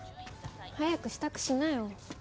早く支度しなよ。